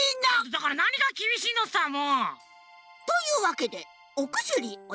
だからなにがきびしいのさもう！というわけでおくすりおだしします。